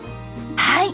はい。